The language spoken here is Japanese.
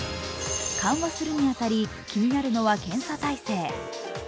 緩和するに当たり、気になるのは検査体制。